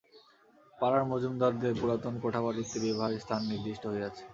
পাড়ার মজুমদারদের পুরাতন কোঠাবাড়িতে বিবাহের স্থান নির্দিষ্ট হইয়াছে।